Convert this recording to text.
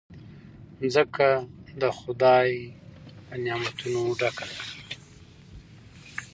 مځکه د خدای له نعمتونو ډکه ده.